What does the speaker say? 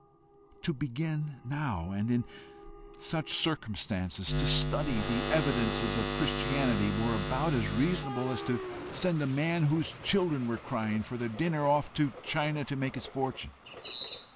To begin now, and in such circumstances, to study the evidences of Christianity, were about as reasonable as to send a man, whose children were crying for their dinner, off to China to make his fortune!